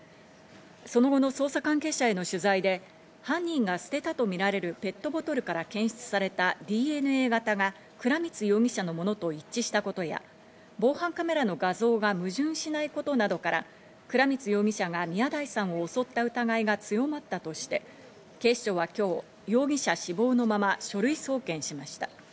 その後の捜査関係者への取材で、犯人が捨てたとみられるペットボトルから検出されたＤＮＡ型が倉光容疑者のものと一致したことや、防犯カメラの画像が矛盾しないことなどから、倉光容疑者が宮台さんを襲った疑いが強まったとして、警視庁は今日、容疑者死亡のまま、書類送検しました。